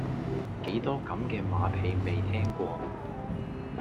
幾多咁嘅馬屁未聽過